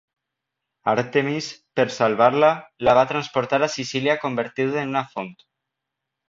Àrtemis, per salvar-la, la va transportar a Sicília convertida en una font.